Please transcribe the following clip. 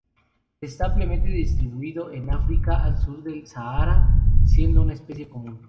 Está ampliamente distribuido en África al sur del Sáhara, siendo una especie común.